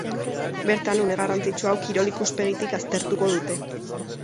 Bertan, une garrantzitsu hau kirol ikuspegitik aztertuko dute.